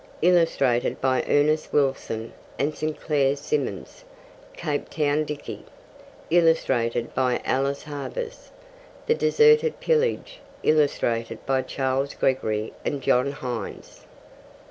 Illustrated by Ernest Wilson and St. Clair Simons. Cape Town Dicky. Illustrated by Alice Havers. The Deserted Pillage. Illustrated by Charles Gregory and John Hines.